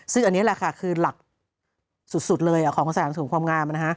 ซึ่งอันนี้คือหลักสุดเลยของการสะดับสรุมความงาม